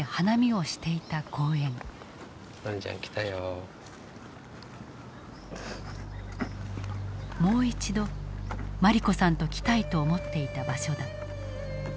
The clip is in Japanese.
もう一度茉莉子さんと来たいと思っていた場所だ。